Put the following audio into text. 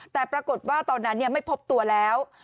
แต่ปรากฏว่าตอนนั้นไม่พบตัวแล้ว